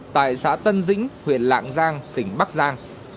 tại xã tân dĩnh huyện lạng giang tỉnh bắc giang